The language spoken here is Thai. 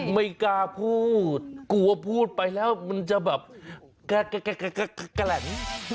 ไม่กล้าพูดกลัวพูดไปแล้วมันจะแบบกะกะกระดัง